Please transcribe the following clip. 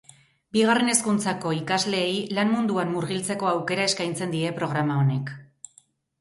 Bigarren hezkuntzako ikasleei lan munduan murgiltzeko aukera eskaintzen die programa honek.